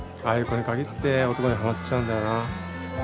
ああいう子に限って男にはまっちゃうんだよな。